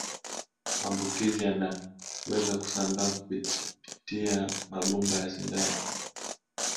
maambukizi yanaweza kusambaa kupipitia mabomba ya sindano